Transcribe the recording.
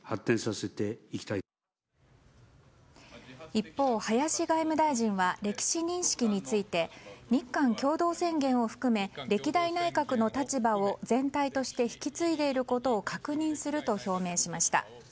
一方、林外務大臣は歴史認識について日韓共同宣言を含め歴代内閣の立場を全体として引き継いでいることを確認すると表明しました。